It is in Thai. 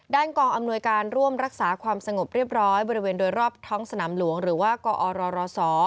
กองอำนวยการร่วมรักษาความสงบเรียบร้อยบริเวณโดยรอบท้องสนามหลวงหรือว่ากอรศ